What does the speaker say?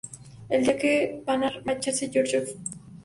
El día que van a marcharse, Gregorio Sifuentes intenta suicidarse.